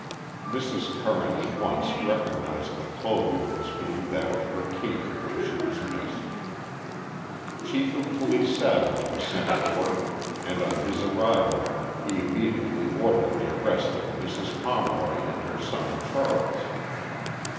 Mrs. Curran at once recognized the clothing as being that of her Katie when she was missed. Chief of Police Savage was sent for and on his arrival he im mediately ordered the arrest of Mrs. Pomeroy and her son, Charles.